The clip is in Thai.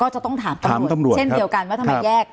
จะต้องถามตำรวจเช่นเดียวกันว่าทำไมแยก